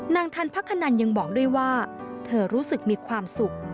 นางทันพักคณันยังบอกด้วยว่าเธอรู้สึกมีความสุข